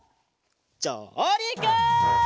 じょうりく！